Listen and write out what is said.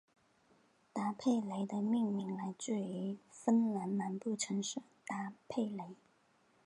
坦佩雷的命名来自于芬兰南部城市坦佩雷。